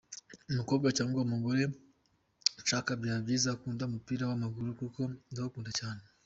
umukombwa cg umugore nshaka byaba byiza akunda umupira wa maguru kko ndawukunda cyane!!!.